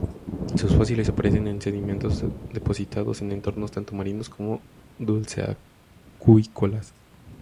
Sus fósiles aparecen en sedimentos depositados en entornos tanto marinos como dulceacuícolas.